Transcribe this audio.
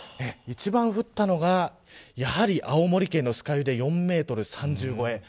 一番降ったのがやはり、青森県の酸ヶ湯で４メートル３０超え。